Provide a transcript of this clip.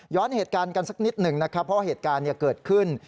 เหตุการณ์กันสักนิดหนึ่งนะครับเพราะเหตุการณ์เกิดขึ้น